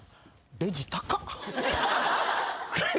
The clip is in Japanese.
レジ高っ！